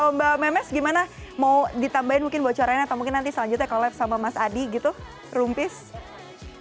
mbak memes gimana mau ditambahin mungkin bocorannya atau mungkin nanti selanjutnya collab sama mas adi gitu roompeace